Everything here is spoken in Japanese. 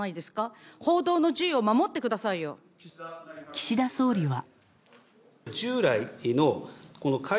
岸田総理は。